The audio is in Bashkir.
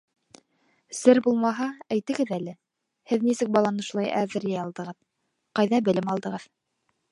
Сер булмаһа, әйтегеҙ әле: һеҙ нисек баланы шулай әҙерләй алдығыҙ, ҡайҙа белем алдығыҙ?